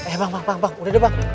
eh bang bang bang udah deh bang